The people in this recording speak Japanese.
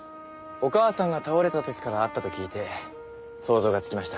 お母さんが倒れた時からあったと聞いて想像がつきました。